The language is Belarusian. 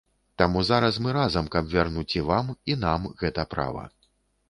Таму зараз мы разам, каб вярнуць і вам, і нам гэта права.